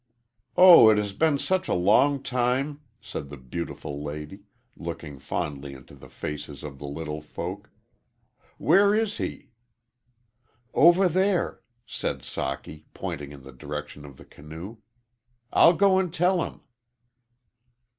"Oh, it has been such a long time!" said "the beautiful lady," looking fondly into the faces of. the little folk. "Where is he?" "Over there," said Socky, pointing in the direction of the canoe. "I'll go and tell him."